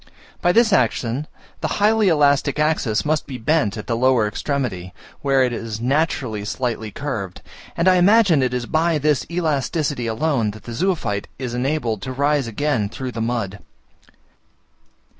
By this action, the highly elastic axis must be bent at the lower extremity, where it is naturally slightly curved; and I imagine it is by this elasticity alone that the zoophyte is enabled to rise again through the mud.